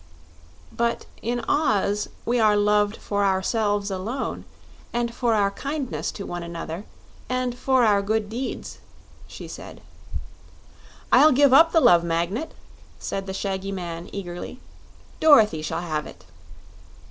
"But in Oz we are loved for ourselves alone, and for our kindness to one another, and for our good deeds," she said. "I'll give up the Love Magnet," said the shaggy man, eagerly; "Dorothy shall have it."